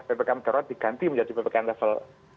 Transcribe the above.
ppkm darurat diganti menjadi ppkm level